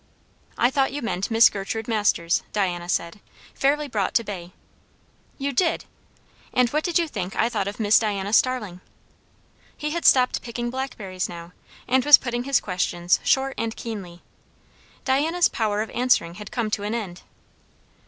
"I thought you meant Miss Gertrude Masters," Diana said, fairly brought to bay. "You did! And what did you think I thought of Miss Diana Starling?" He had stopped picking blackberries now, and was putting his questions short and keenly. Diana's power of answering had come to an end.